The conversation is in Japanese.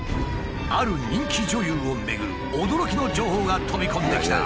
ある人気女優をめぐる驚きの情報が飛び込んできた。